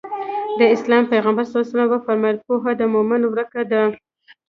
د اسلام پيغمبر ص وفرمايل پوهه د مؤمن ورکه ده.